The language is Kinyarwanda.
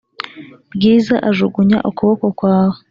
bwiza ajugunya ukuboko kwawe